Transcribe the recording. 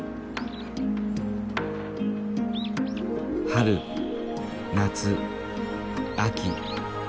春夏秋冬。